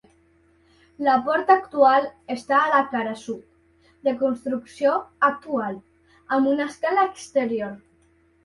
La porta actual està a la cara sud, de construcció actual, amb una escala exterior.